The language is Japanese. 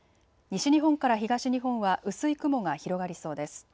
西日本から東日本は薄い雲が広がりそうです。